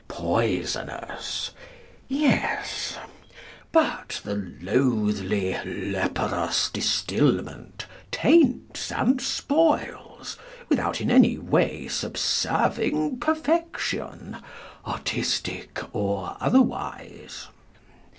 Poisonous! Yes. But the loathly "leperous distilment" taints and spoils, without in any way subserving "perfection," artistic or otherwise.